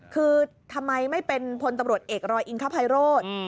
คือทำไมไม่เป็นพลตำรวจเอกรอยอิงคภัยโรธ